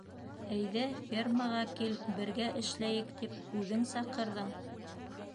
Әйҙә, фермаға кил, бергә эшләйек, тип үҙең саҡырҙың...